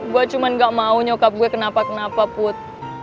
gue cuman nggak mau nyokap gue kenapa kenapa put